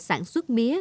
sản xuất mía